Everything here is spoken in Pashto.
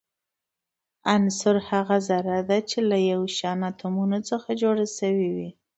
عنصر هغه ذره ده چي له يو شان اتومونو څخه جوړ سوی وي.